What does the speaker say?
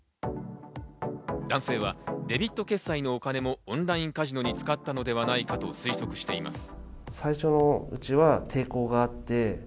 男性はデビット決済のお金もオンラインカジノに使ったのではないかと推測しています。